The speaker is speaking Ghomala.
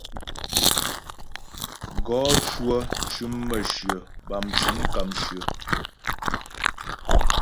Gɔ cwə cʉm mə̌shyə bâm mcʉm kàmshyə.